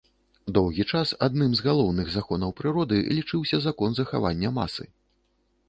Доўгі час адным з галоўных законаў прыроды лічыўся закон захавання масы.